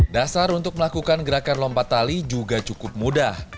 dasar untuk melakukan gerakan lompat tali juga cukup mudah